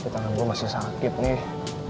tangan gua masih sakit nih